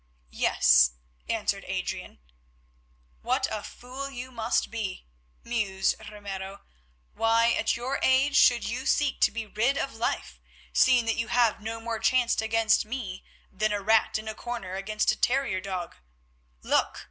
"Yes," answered Adrian. "What a fool you must be," mused Ramiro. "Why at your age should you seek to be rid of life, seeing that you have no more chance against me than a rat in a corner against a terrier dog? Look!"